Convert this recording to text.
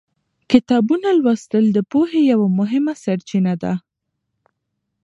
کتابونه لوستل د پوهې یوه مهمه سرچینه ده.